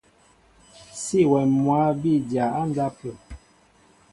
Sí awɛm mwǎ bí dya á ndápə̂.